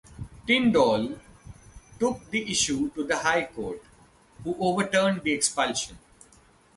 Tyndall took the issue to the high court, who overturned the expulsion.